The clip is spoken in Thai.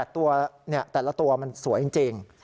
แต่ละตัวมันสวยจริง